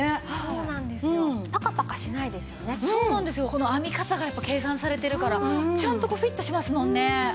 この編み方がやっぱり計算されてるからちゃんとフィットしますもんね。